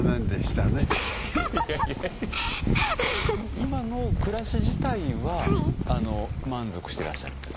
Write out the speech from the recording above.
今の暮らし自体は満足してらっしゃるんです？